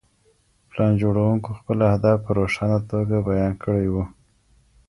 پلان جوړوونکو خپل اهداف په روښانه توګه بیان کړي وو.